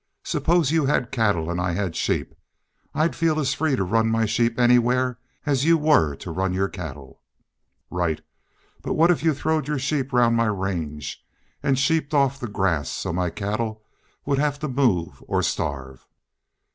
Suppose y'u had cattle and I had sheep. I'd feel as free to run my sheep anywhere as y'u were to ran your cattle." "Right. But what if you throwed your sheep round my range an' sheeped off the grass so my cattle would hev to move or starve?"